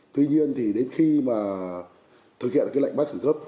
tuy nhiên đến khi thực hiện lệnh bắt khử gấp